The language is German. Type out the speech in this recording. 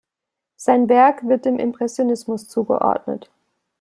Sein Werk wird dem Impressionismus zugeordnet.